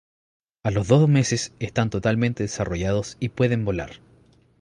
A los dos meses están totalmente desarrollados y pueden volar.